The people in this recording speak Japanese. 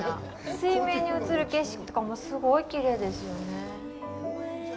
水面に映る景色とかもすごいきれいですよね。